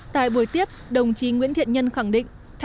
tại buổi tiếp đồng chí nguyễn thiện nhân khẳng định